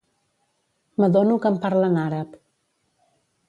M'adono que em parla en àrab.